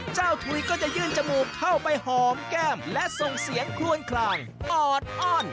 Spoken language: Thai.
ทุยก็จะยื่นจมูกเข้าไปหอมแก้มและส่งเสียงคลวนคลางออดอ้อน